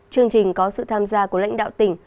chương trình có sự tham gia của lãnh đạo tỉnh